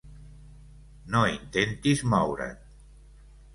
No intentis moure't.